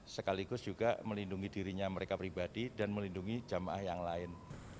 sekaligus juga melindungi dirinya mereka pribadi dan melindungi jemaah yang lain